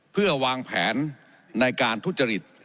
เพื่อวางแผนในการทุจริต